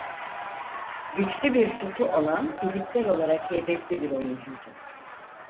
Güçlü bir şutu olan fiziksel olarak heybetli bir oyuncuydu.